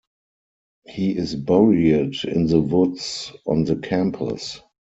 He is buried in the woods on the campus.